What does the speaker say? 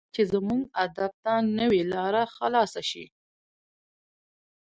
چې زموږ ادب ته نوې لار خلاصه شي.